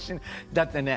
だってね